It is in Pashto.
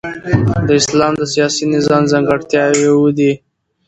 د اسلام د سیاسي نظام ځانګړتیاوي اووه دي.